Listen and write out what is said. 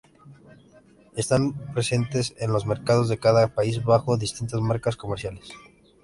Están presentes en los mercados de cada país bajo distintas marcas comerciales.